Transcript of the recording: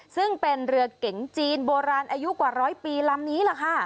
ซึ่งเป็นเรือเก๋งจีนโบราณอายุกว่าร้อยปีลำนี้ล่ะค่ะ